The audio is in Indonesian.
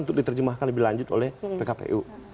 untuk diterjemahkan lebih lanjut oleh pkpu